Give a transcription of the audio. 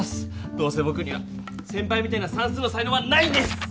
どうせぼくには先ぱいみたいな算数の才のうがないんです！